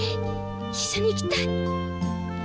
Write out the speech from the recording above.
一緒に行きたい！